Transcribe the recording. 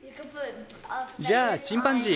じゃあチンパンジー。